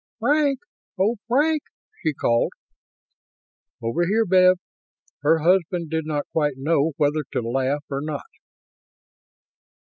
"Frank! Oh, Frank!" she called. "Over here, Bev." Her husband did not quite know whether to laugh or not.